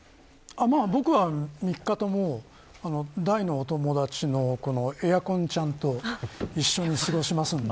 僕は３日とも大のお友達のエアコンちゃんと一緒に過ごしますので。